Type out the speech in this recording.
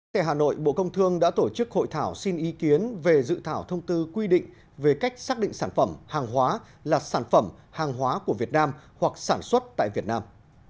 tại hà nội bộ công thương đã tổ chức hội thảo xin ý kiến về dự thảo thông tư quy định về cách xác định sản phẩm hàng hóa là sản phẩm hàng hóa của việt nam hoặc sản xuất tại việt nam